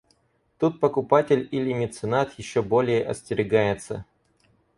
Тут покупатель или меценат еще более остерегается.